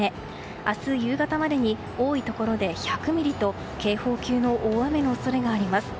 明日夕方までに多いところで１００ミリと警報級の大雨の恐れがあります。